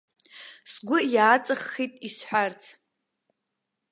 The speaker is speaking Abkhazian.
Сгәы иааҵаххит исҳәарц.